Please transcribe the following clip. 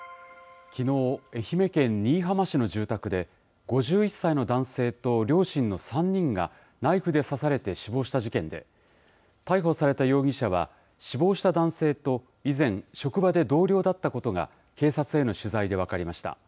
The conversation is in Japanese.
きのう、愛媛県新居浜市の住宅で、５１歳の男性と両親の３人がナイフで刺されて死亡した事件で、逮捕された容疑者は、死亡した男性と以前、職場で同僚だったことが警察への取材で分かりました。